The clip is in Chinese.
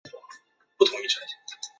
首府卢茨克。